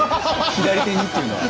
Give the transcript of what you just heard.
「左手に」っていうのは。